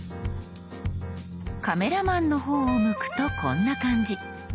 カメラマンの方を向くとこんな感じ。